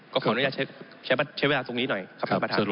ขออนุญาตใช้เวลาตรงนี้หน่อยครับท่านประธาน